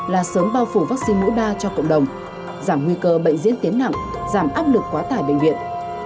là sớm bao phủ vaccine mũ đa cho cộng đồng giảm nguy cơ bệnh diễn tiến nặng giảm áp lực quá tải bệnh viện